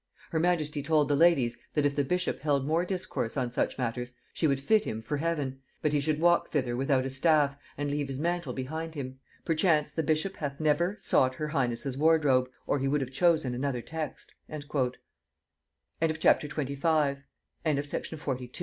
Her majesty told the ladies, that if the bishop held more discourse on such matters, she would fit him for heaven, but he should walk thither without a staff, and leave his mantle behind him. Perchance the bishop hath never sought her highness' wardrobe, or he would have chosen another text." [Note 121: Nugæ Antiquæ.] CHAPTER XXVI. 1597 AND 1598. Fresh expedition against Spai